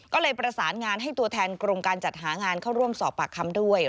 ก็เลยประสานงานให้ตัวแทนกรมการจัดหางานเข้าร่วมสอบปากคำด้วย